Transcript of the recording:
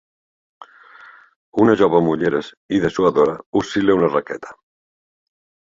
Una jove amb ulleres i dessuadora oscil·la una raqueta.